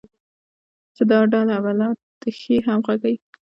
چې دا ډله به د لا ښې همغږۍ،